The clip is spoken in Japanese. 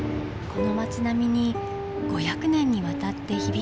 この町並みに５００年にわたって響く鐘の音か。